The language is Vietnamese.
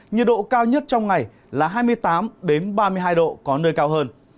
nhiệt độ cao nhất trong ngày là hai mươi tám ba mươi hai độ có nơi cao hơn